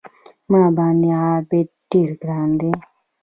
ما باندې عابد ډېر ګران دی